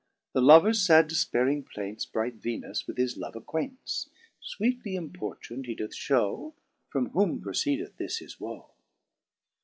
The lovers fad defpairing plaints Bright Venus with his love acquaints ; Sweetly importuh*dj he doth Jhew From whom proceedeth this his woe.